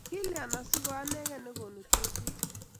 Kilyan asiko anegei neko konu tebutik?